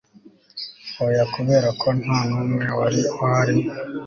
oya, kubera ko nta n'umwe wari uhari